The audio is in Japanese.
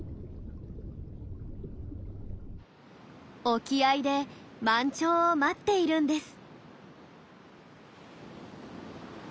沖合で満潮を待っているんです。